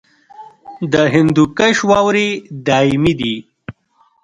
د هندوکش واورې دایمي دي